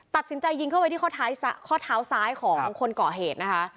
ตัดสินใจยิงเข้าไปที่ข้อเท้าซ้ายของคนก่อเหตุนะคะ